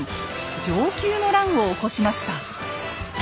「承久の乱」を起こしました。